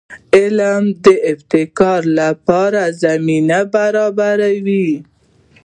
علم د ابتکار لپاره زمینه برابروي.